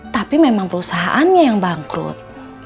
tapi memang perusahaannya yang bangkrut